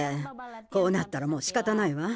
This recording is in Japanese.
こうなったらもうしかたないわ。